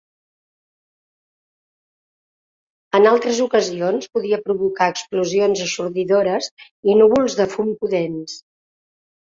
En altres ocasions, podia provocar explosions eixordadores i núvols de fum pudents.